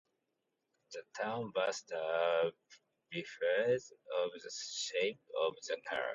The term "bathtub" refers to the shape of the car.